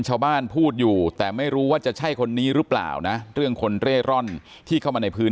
ชาวบ้านพูดอยู่แต่ไม่รู้ว่าจะใช่คนนี้หรือเปล่านะเรื่องคนเร่ร่อนที่เข้ามาในพื้น